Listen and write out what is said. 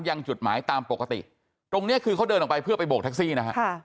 จุดหมายตามปกติตรงเนี้ยคือเขาเดินออกไปเพื่อไปโบกแท็กซี่นะฮะ